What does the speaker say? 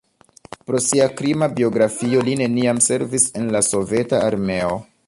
Pro sia krima biografio li neniam servis en la Soveta Armeo.